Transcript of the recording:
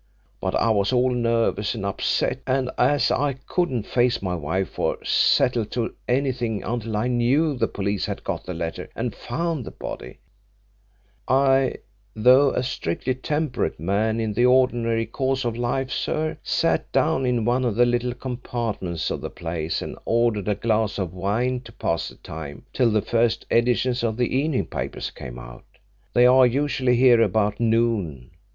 But I was all nervous and upset, and as I couldn't face my wife or settle to anything until I knew the police had got the letter and found the body, I though a strictly temperate man in the ordinary course of life, sir sat down in one of the little compartments of the place and ordered a glass of wine to pass the time till the first editions of the evening papers came out they are usually out here about noon.